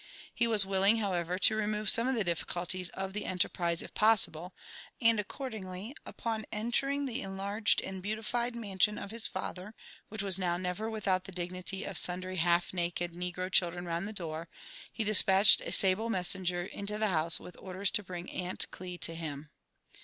He was willing, however, to remove some of the difficulties of the enterprise if possible ; and accordingly, on entering the enlarged and beautified mansion of his father, which was now Inever without the dignity of sundry half naked negro children round the door, he despatched a sable messenger into the house with orders to bring Aunt Gli to him.